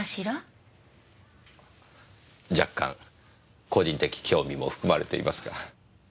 若干個人的興味も含まれていますが。